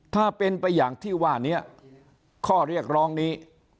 ถ้าเป็นไปอย่างที่ว่านี้ข้อเรียกร้องนี้